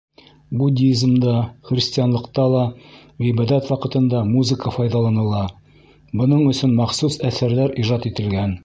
Буддизмда, христианлыҡта ла ғибәҙәт ваҡытында музыка файҙаланыла, бының өсөн махсус әҫәрҙәр ижад ителгән.